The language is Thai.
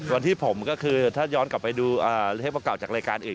วันที่ผมก็คือถ้าย้อนกลับไปดูเทปเก่าจากรายการอื่น